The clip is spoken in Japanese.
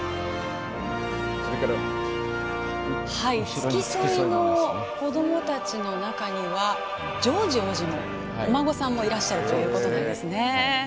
付き添いの子供たちの中にはジョージ王子お孫さんもいらっしゃるということですね。